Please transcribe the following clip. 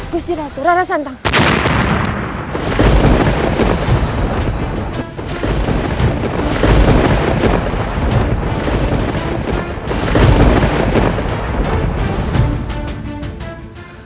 kusyiratu jangan berdiri